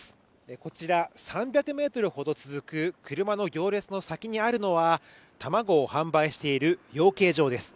こちら３００ｍほど続く車の行列の先にあるのは卵を販売している養鶏場です。